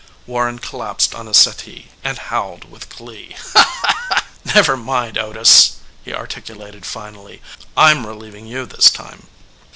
Warren collapsed on a settee and howled with glee. "Never mind, Otis," he articulated finally. "I'm relieving you this time."